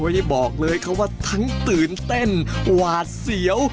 ได้บอกเลยเขาว่าทั้งตื่นเต้นหวาดเสียว